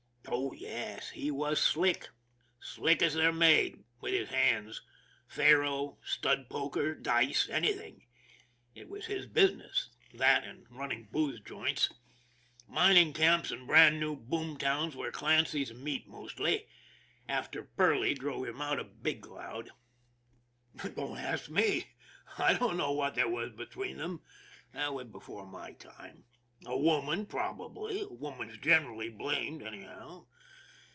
Oh, yes, he was slick, slick as they're made with his hands. Faro, stud poker, dice, anything it was 240 ON THE IRON AT BIG CLOUD his business; that, and running booze joints. Mining camps and brand new boom towns were Clancy's meat mostly after Perley drove him out of Big Cloud. Don't ask me. I don't know what there was be tween them. That was before my time. A woman probably a woman's generally blamed anyhow.